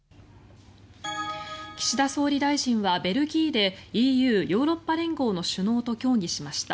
岸田総理大臣は、ベルギーでＥＵ・ヨーロッパ連合の首脳と協議しました。